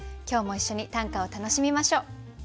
今日も一緒に短歌を楽しみましょう。